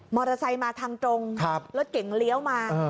มอเตอร์ไซต์มาทางตรงครับรถเก่งเลี้ยวมาเออ